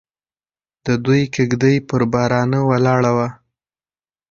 د دوی کږدۍ پر بارانه ولاړه وه.